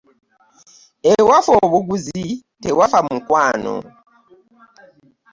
Ewafa obuguzi tewafa mukwano .